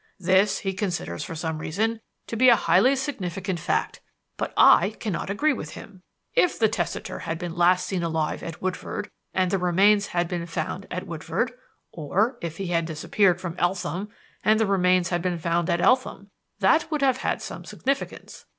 This he considers for some reason to be a highly significant fact. But I cannot agree with him. If the testator had been last seen alive at Woodford and the remains had been found at Woodford, or if he had disappeared from Eltham, and the remains had been found at Eltham, that would have had some significance.